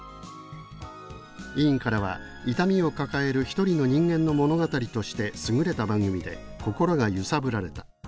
委員からは「痛みを抱える一人の人間の物語として優れた番組で心が揺さぶられた。